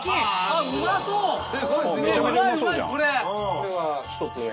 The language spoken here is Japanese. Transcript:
これは１つ目。